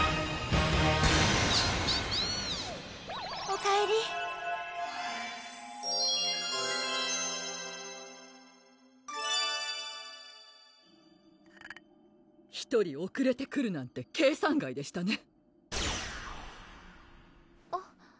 おかえり１人おくれてくるなんて計算外でしたね